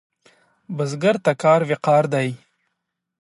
بزګر ته کار وقار دی